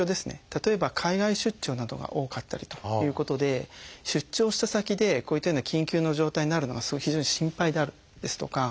例えば海外出張などが多かったりということで出張した先でこういったような緊急の状態になるのは非常に心配であるですとか